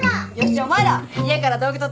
じゃあお前ら家から道具取ってこい。